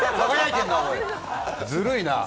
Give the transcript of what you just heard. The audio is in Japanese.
ずるいな！